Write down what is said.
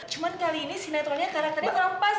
cuma kali ini sinetronnya karakternya kurang pas